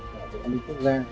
và vượt an ninh quốc gia